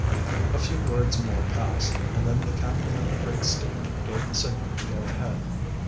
A few words more passed, and then the captain of the freight steamer gave the signal to go ahead.